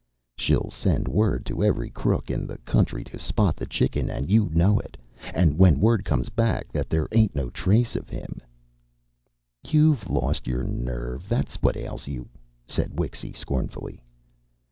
"She'll send word to every crook in the country to spot the Chicken, and you know it. And when word comes back that there ain't no trace of him " "You've lost your nerve, that's what ails you," said Wixy scornfully.